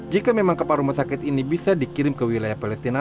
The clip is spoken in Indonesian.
jika memang kapal rumah sakit ini bisa dikirim ke wilayah palestina